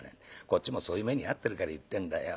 こっちもそういう目に遭ってるから言ってんだよ。